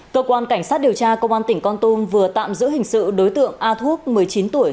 cơ quan cảnh sát điều tra công an tỉnh con tum vừa tạm giữ hình sự đối tượng a thuốc một mươi chín tuổi